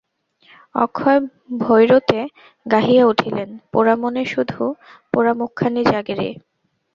অক্ষয় ভৈরোঁতে গাহিয়া উঠিলেন– পোড়া মনে শুধু পোড়া মুখখানি জাগে রে!